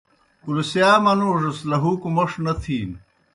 اُلسِیا منُوڙوْس لہُوکوْ موْݜ نہ تِھینوْ۔